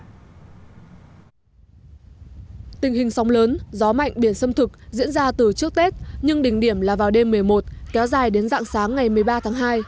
tình hình sóng lớn gió mạnh biển xâm thực diễn ra từ trước tết nhưng đỉnh điểm là vào đêm một mươi một kéo dài đến dạng sáng ngày một mươi ba tháng hai